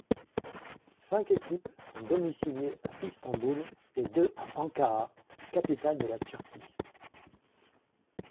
Cinq équipes sont domiciliées à İstanbul et deux à Ankara, capitale de la Turquie.